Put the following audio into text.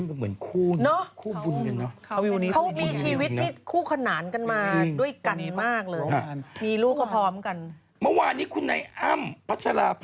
ได้ทุกแนวแต่งตัวอะไรเป็นอันนี้สวยอ่ะชอบ